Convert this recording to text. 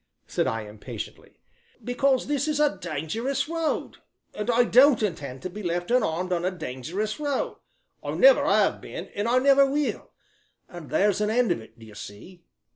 said I impatiently. "Because this is a dangerous road, and I don't intend to be left unarmed on a dangerous road; I never have been and I never will, and there's an end of it, d'ye see!"